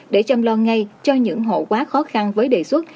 để chăm lo ngay cho những hộ quá khó khăn với đề xuất